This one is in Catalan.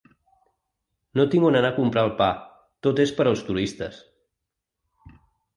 No tinc on anar a comprar el pa, tot és per als turistes.